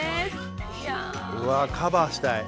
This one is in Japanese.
うわぁカバーしたい。